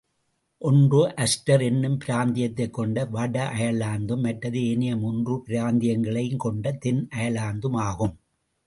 ஒன்று அல்ஸ்டர் என்னும் பிராந்தியத்தைக் கொண்ட வட அயர்லாந்தும் மற்றது ஏனைய மூன்று பிராந்தியங்களையும் கொண்ட தென் அயர்லாந்துமாகும்.